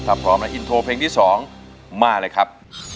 ถ้าพร้อมแล้วอินโทรเพลงที่๒มาเลยครับ